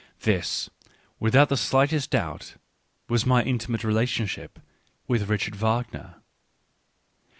This, without the slightest doubt, was my intimate relationship with Richard Wagner.